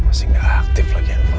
masih gak aktif lagi handphonenya